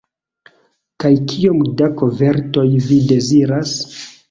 Kaj kiom da kovertoj vi deziras?